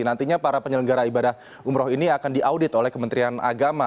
nantinya para penyelenggara ibadah umroh ini akan diaudit oleh kementerian agama